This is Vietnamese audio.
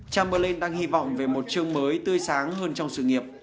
chamberland đang hy vọng về một chương mới tươi sáng hơn trong sự nghiệp